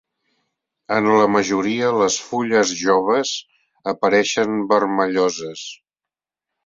En la majoria les fulles joves apareixen vermelloses.